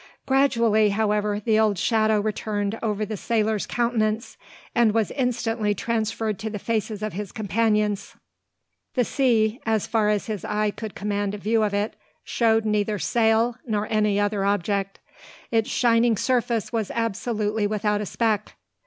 Gradually, however, the old shadow returned over the sailor's countenance, and was instantly transferred to the faces of his companions. The sea, as far as his eye could command a view of it, showed neither sail, nor any other object. Its shining surface was absolutely without a speck.